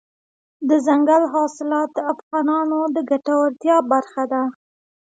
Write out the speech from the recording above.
دځنګل حاصلات د افغانانو د ګټورتیا برخه ده.